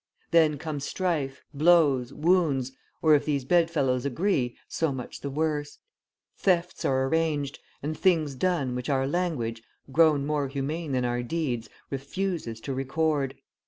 Then come strife, blows, wounds, or, if these bedfellows agree, so much the worse; thefts are arranged and things done which our language, grown more humane than our deeds, refuses to record.